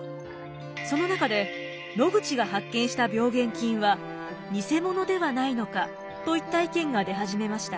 その中で「ノグチが発見した病原菌はニセモノではないのか？」といった意見が出始めました。